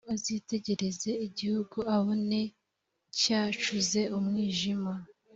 umuntu azitegereza igihugu abone cyacuze umwijima